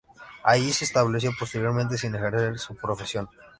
Allí se estableció posteriormente sin ejercer su profesión.